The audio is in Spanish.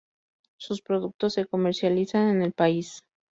Sus Productos se comercializan en el país.